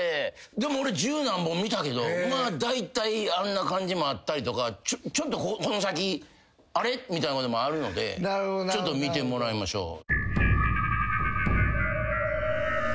でも俺十何本見たけどまあだいたいあんな感じもあったりとかちょっとこの先あれ？みたいなこともあるのでちょっと見てもらいましょう。